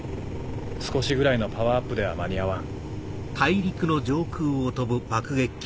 少しぐらいのパワーアップでは間に合わん。